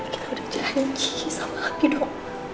kita udah janji sama aku dok